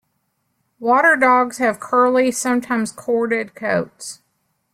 Water dogs have curly, sometimes corded coats.